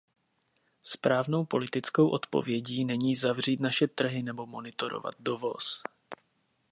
Správnou politickou odpovědí není zavřít naše trhy nebo monitorovat dovoz.